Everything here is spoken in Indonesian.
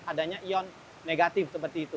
adanya ion negatif seperti itu